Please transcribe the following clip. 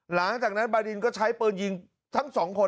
หลังจากนั้นบาดินก็ใช้ปืนยิงทั้งสองคน